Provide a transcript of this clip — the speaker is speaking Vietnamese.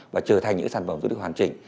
và trở thành những sản phẩm du lịch hoàn chỉnh